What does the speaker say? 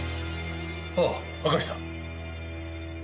ああ明石さん。